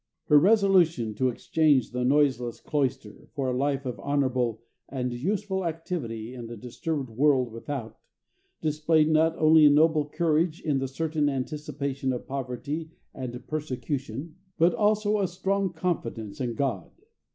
Her resolution to exchange the noiseless cloister for a life of honorable and useful activity in the disturbed world without, displayed not only a noble courage in the certain anticipation of poverty and persecution, but also a strong confidence in God.